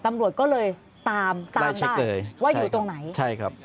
ตำรวจก็เลยตามได้ว่าอยู่ตรงไหน